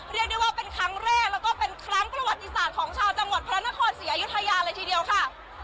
เรียกได้ว่าเป็นครั้งแรกแล้วก็เป็นครั้งประวัติศาสตร์ของชาวจังหวัดพระนครศรีอยุธยาเลยทีเดียวค่ะ